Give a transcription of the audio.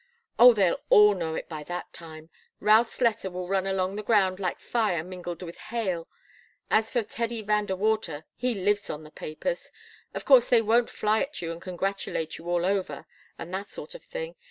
"Oh, they'll all know it by that time. Routh's letter will run along the ground like fire mingled with hail. As for Teddy Van De Water, he lives on the papers. Of course they won't fly at you and congratulate you all over, and that sort of thing.